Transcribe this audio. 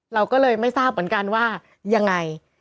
เราก็เลยไม่ทราบเหมือนกันว่ายังไง